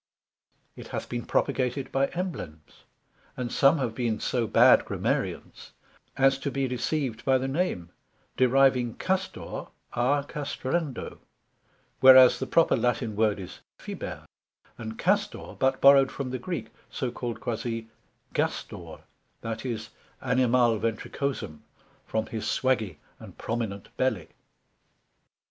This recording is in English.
it hath been propagated by Emblems: and some have been so bad Grammarians as to be deceived by the Name, deriving Castor à castrando, whereas the proper Latine word is Fiber, and Castor but borrowed from the Greek, so called quasi γάστωρ, that is, Animal ventricosum, from his swaggy and prominent belly.